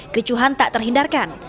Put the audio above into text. kecuhan tak terhindarkan